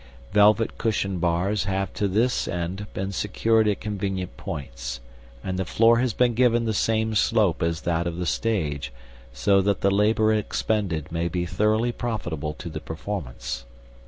Velvet cushioned bars have to this end been secured at convenient points, and the floor has been given the same slope as that of the stage, so that the labor expended may be thoroughly profitable to the performance.